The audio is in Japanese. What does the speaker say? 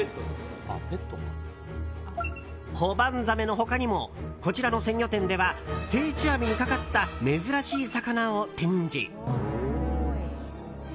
コバンザメの他にもこちらの鮮魚店では定置網にかかった珍しい魚を展示。